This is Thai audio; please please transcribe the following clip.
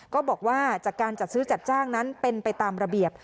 ก็บอกว่าจากการจัดซื้อจัดจ้างนั้นเป็นไปตามระเบียบ